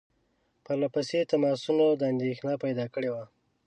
پرله پسې تماسونو اندېښنه پیدا کړې وه.